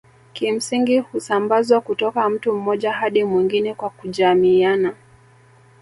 kimsingi husambazwa kutoka mtu mmoja hadi mwingine kwa kujamiiana